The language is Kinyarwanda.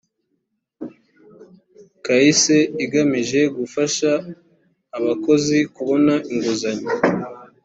caisse igamije gufasha abakozi kubona inguzanyo